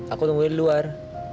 aku nunggu di luar